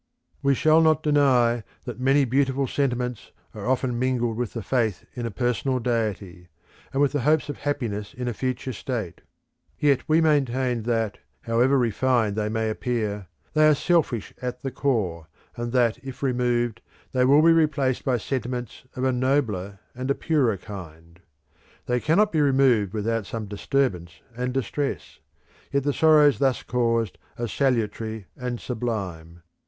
We shall not deny that many beautiful sentiments are often mingled with the faith in a personal Deity, and with the hopes of happiness in a future state; yet we maintain that, however refined they may appear, they are selfish at the core, and that if removed they will be replaced by sentiments of a nobler and a purer kind. They cannot be removed without some disturbance and distress; yet the sorrows thus caused are salutary and sublime.